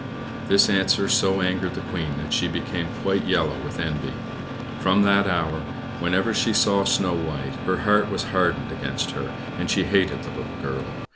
This answer so angered the Queen that she became quite yellow with envy. From that hour, whenever she saw Snow White, her heart was hardened against her, and she hated the little girl.